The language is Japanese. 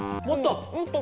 もっと。